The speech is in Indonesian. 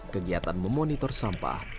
kegiatan memonitor sampah